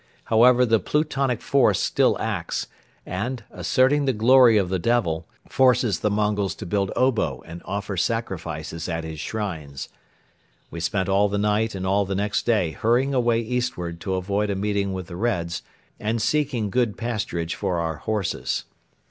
However, the Plutonic force still acts and, asserting the glory of the Devil, forces the Mongols to build obo and offer sacrifices at his shrines. We spent all the night and all the next day hurrying away eastward to avoid a meeting with the Reds and seeking good pasturage for our horses.